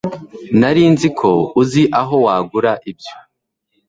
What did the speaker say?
nari nzi ko uzi aho wagura ibyo